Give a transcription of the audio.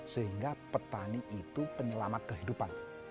sehingga petani itu penyelamat kehidupan